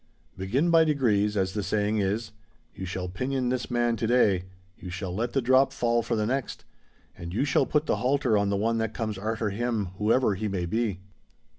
Begin by degrees, as the saying is; you shall pinion this man to day; you shall let the drop fall for the next—and you shall put the halter on the one that comes arter him, whoever he may be."